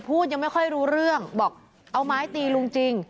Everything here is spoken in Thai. ยังไม่ค่อยรู้เรื่องบอกเอาไม้ตีลุงจริง